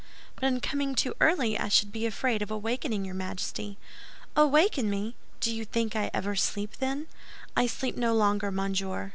"But in coming too early I should be afraid of awakening your Majesty." "Awaken me! Do you think I ever sleep, then? I sleep no longer, monsieur.